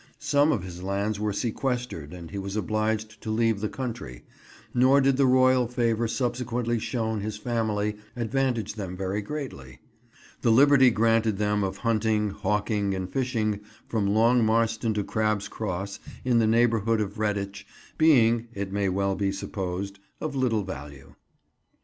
Some of his lands were sequestrated and he was obliged to leave the country; nor did the Royal favour subsequently shown his family advantage them very greatly; the liberty granted them of hunting, hawking and fishing from Long Marston to Crab's Cross, in the neighbourhood of Redditch, being, it may well be supposed, of little value.